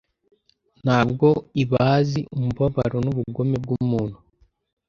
Ntabwo i bazi umubabaro nubugome bwumuntu